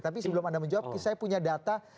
tapi sebelum anda menjawab saya punya data